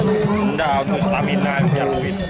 enggak untuk stamina